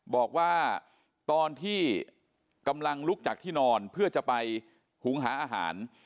บอกว่าตอนที่กำลังลุกจากที่นอนเพื่อจะไปหุงหาอาหาร